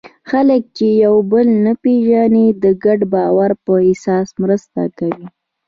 خلک چې یو بل نه پېژني، د ګډ باور په اساس مرسته کوي.